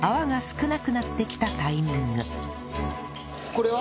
これは？